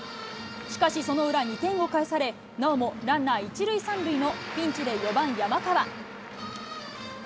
しかし、その裏２点を返され、なおもランナー１塁３塁のピンチで４番山川。